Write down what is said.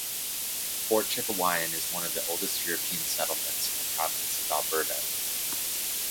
Fort Chipewyan is one of the oldest European settlements in the Province of Alberta.